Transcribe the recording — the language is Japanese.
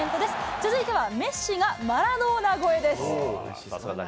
続いては、メッシがマラドーナ超えです。